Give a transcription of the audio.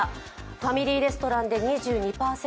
ファミリーレストランで２２％